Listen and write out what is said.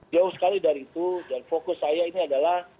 jauh sekali dari itu dan fokus saya ini adalah